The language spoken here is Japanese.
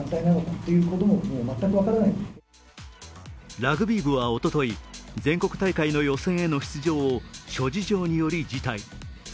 ラグビー部はおととい、全国大会の予選への出場を諸事情により辞退。